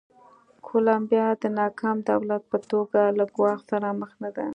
کولمبیا د ناکام دولت په توګه له ګواښ سره مخ نه ده.